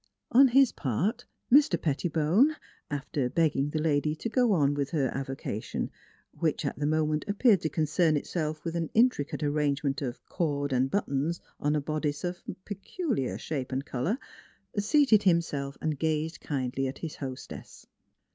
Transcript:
On his part, Mr. Pettibone after begging the lady to go on with her avocation, which at the 109 no NEIGHBORS moment appeared to concern itself with an intri cate arrangement of cord and buttons on a bodice of peculiar shape and color seated himself and gazed kindly at his hostess.